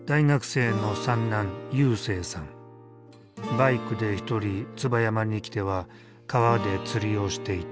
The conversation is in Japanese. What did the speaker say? バイクで一人椿山に来ては川で釣りをしていた。